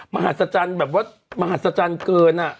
มันแบบว่ามหัศจรรย์เกินอะ